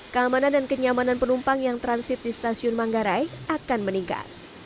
keamanan dan kenyamanan penumpang yang transit di stasiun manggarai akan meningkat